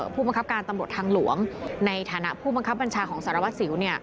ผู้บังคับการตำรวจทางหลวงในฐานะผู้บังคับบัญชาของสารวัสสิว